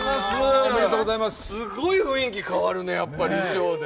すっごい雰囲気変わるね、やっぱり、衣装で。